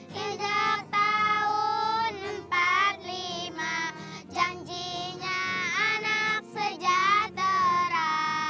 hidup tahun empat puluh lima janjinya anak sejahtera